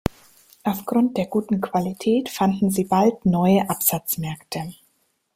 Aufgrund der guten Qualität fanden sie bald neue Absatzmärkte.